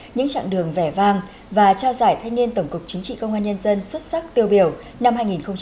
những trạng đường vẻ vàng và trao giải thanh niên tổng cục chính trị công an nhân dân xuất sắc tiêu biểu năm hai nghìn một mươi năm